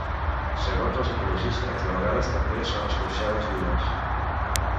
Segons els ecologistes, de vegades també són escorxades vives.